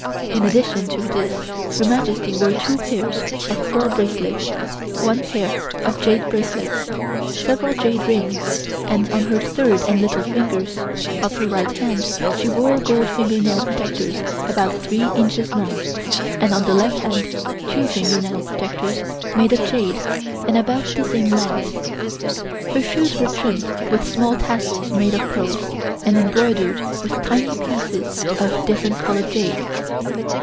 In addition to this Her Majesty wore two pairs of pearl bracelets, one pair of jade bracelets, several jade rings and on her third and little fingers of her right hand she wore gold finger nail protectors about three inches long and on the left hand two finger nail protectors made of jade and about the same length. Her shoes were trimmed with small tassels made of pearls and embroidered with tiny pieces of different colored jade.